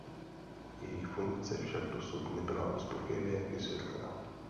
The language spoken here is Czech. Jejich funkce však dosud nebyla uspokojivě vysvětlena.